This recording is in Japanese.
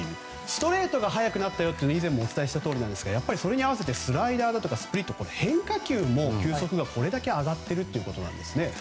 ストレートが速くなったというのは以前もお伝えしたとおりですがそれに合わせてスライダーやスプリット変化球の球速もこれだけ上がっているんですね。